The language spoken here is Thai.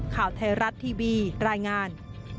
ข่าวไทยรัฐทีวีรายงาน